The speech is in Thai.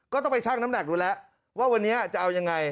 ก็ต้องไปชั่งน้ำหนักดูแล้วว่าวันนี้จะเอายังไง